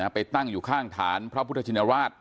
ไปตั้งอยู่ข้างฐานพระพุทธชินราช